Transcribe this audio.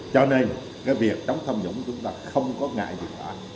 cho nên cái việc đấu tranh tham nhũng chúng ta không có ngại gì cả